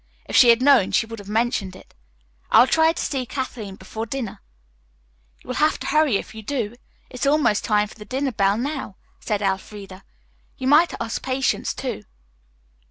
If she had known, she would have mentioned it. I will try to see Kathleen before dinner." "You will have to hurry if you do. It is almost time for the dinner bell now," said Elfreda. "You might ask Patience, too."